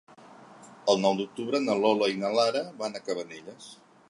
El nou d'octubre na Lola i na Lara van a Cabanelles.